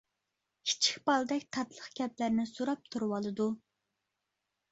كىچىك بالىدەك تاتلىق گەپلەرنى سوراپ تۇرۇۋالىدۇ.